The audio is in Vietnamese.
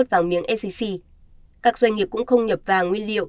từng sgc các doanh nghiệp cũng không nhập vàng nguyên liệu